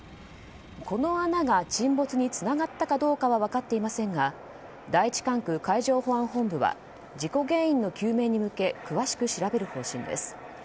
この穴が沈没につながったかどうかは分かっていませんが第１管区海上保安本部は事故原因の究明に向け詳しく調べる方針です。